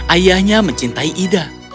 ayahnya mencintai ida